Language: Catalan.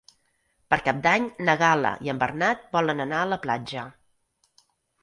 Per Cap d'Any na Gal·la i en Bernat volen anar a la platja.